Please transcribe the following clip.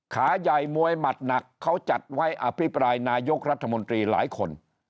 ขาใหญ่มวยหมัดหนักเขาจัดไว้อภิปรายนายกรัฐมนตรีหลายคน